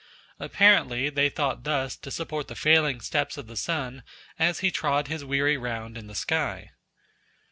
Apparently they thought thus to support the failing steps of the sun as he trod his weary round in the sky.